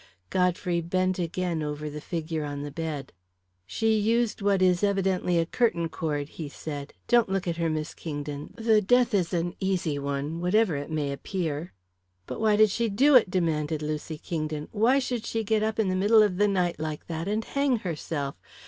Godfrey bent again over the figure on the bed. "She used what is evidently a curtain cord," he said. "Don't look at her, Miss Kingdon. The death is an easy one, whatever it may appear." "But why did she do it?" demanded Lucy Kingdon. "Why should she get up in the middle of the night, like that, and hang herself?